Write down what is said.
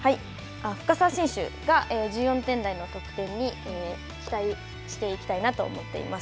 深沢選手が１４点台の得点に期待していきたいなと思っています。